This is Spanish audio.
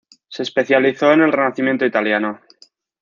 Se especializó en el Renacimiento italiano.